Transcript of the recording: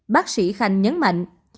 bác sĩ khanh nhấn mạnh